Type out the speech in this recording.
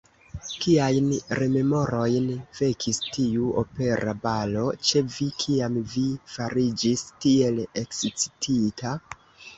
Kiajn rememorojn vekis tiu opera balo ĉe vi, kiam vi fariĝis tiel ekscitita?